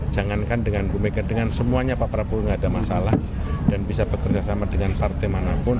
jangankan dengan bu mega dengan semuanya pak prabowo tidak ada masalah dan bisa bekerja sama dengan partai manapun